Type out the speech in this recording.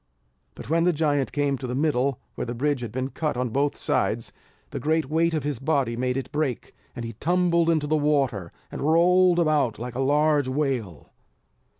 But when the giant came to the middle, where the bridge had been cut on both sides, the great weight of his body made it break, and he tumbled into the water, and rolled about like a large whale.